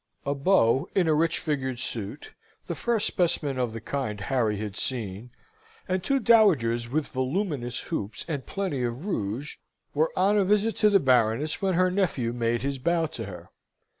A beau in a rich figured suit, the first specimen of the kind Harry had seen, and two dowagers with voluminous hoops and plenty of rouge, were on a visit to the Baroness when her nephew made his bow to her.